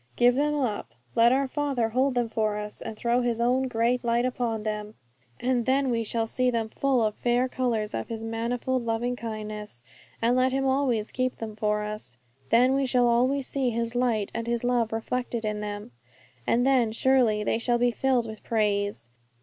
Give them up; let our Father hold them for us, and throw His own great light upon them, and then we shall see them full of fair colours of His manifold loving kindnesses; and let Him always keep them for us, and then we shall always see His light and His love reflected in them. And then, surely, they shall be filled with praise.